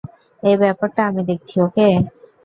এই ব্যাপারটা আমি দেখছি, ওকে?